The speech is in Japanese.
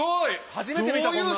初めて見たこんなの！